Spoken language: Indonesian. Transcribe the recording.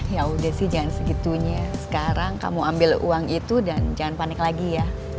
ya udah sih jangan segitunya sekarang kamu ambil uang itu dan jangan panik lagi ya